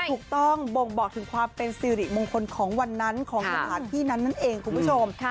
ถูกต้องบ่งบอกถึงความเป็นสิริมงคลของวันนั้นของสถานที่นั้นนั่นเองคุณผู้ชม